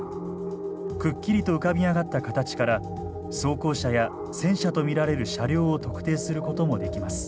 くっきりと浮かび上がった形から装甲車や戦車と見られる車両を特定することもできます。